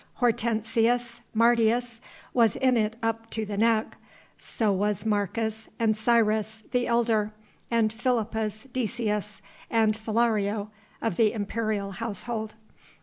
Hortensius Martius was in it up to the neck, so was Marcus Ancyrus, the elder, and Philippus Decius and Philario, of the imperial household.